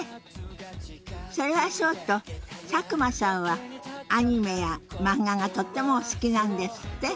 それはそうと佐久間さんはアニメや漫画がとってもお好きなんですって？